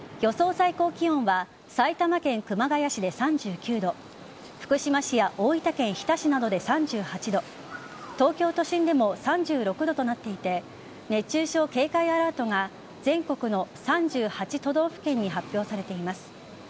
最高気温は埼玉県熊谷市で３９度福島市や大分県日田市などで３８度東京都心でも３６度となっていて熱中症警戒アラートが全国の３８都道府県に発表されています。